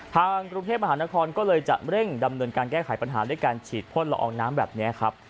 ทางกรุงเทพมหานครก็เลยจะเร่งดำเนินการแก้ไขปัญหาด้วยการฉีดพ่นละอองน้ำแบบนี้ครับ